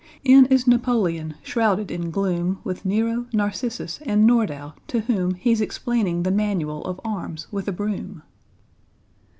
=N= is =N=apoleon, shrouded in gloom, With =N=ero, =N=arcissus, and =N=ordau, to whom He's explaining the manual of arms with a broom.